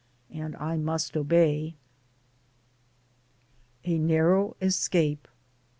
And I must obey. A NARROW ESCAPE.